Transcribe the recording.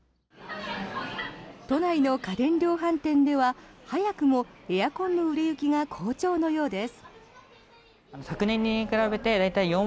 都内の家電量販店では早くもエアコンの売れ行きが好調のようです。